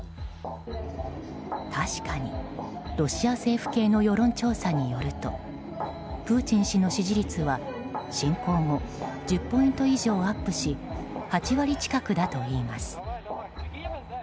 確かにロシア政府系の世論調査によるとプーチン氏の支持率は侵攻後１０ポイント以上アップし８割近くだといいます。